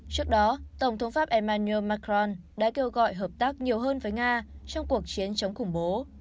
trước đó tổng thống pháp emmanu macron đã kêu gọi hợp tác nhiều hơn với nga trong cuộc chiến chống khủng bố